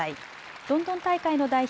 ロンドン大会の代表